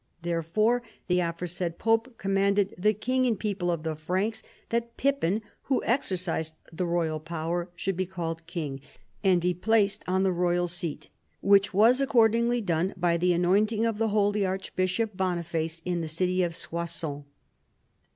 Therefore the aforesaid pope commanded the king and people of the Franks that Pippin who exercised the royal power should be called king and be placed on the royal seat ; which was accordingly done by the anointing of the holy archbishop Boniface in the city of Soissons.